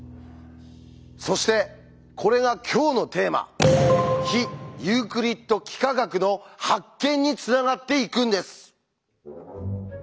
そしてこれが今日のテーマ「非ユークリッド幾何学」の発見につながっていくんです。